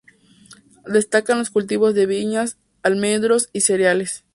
Destacan los cultivos de viñas, almendros y cereales.